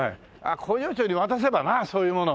工場長に渡せばなそういうもの。